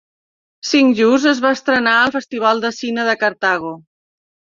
"Cinq Jours" es va estrenar al festival de cine de Cartago.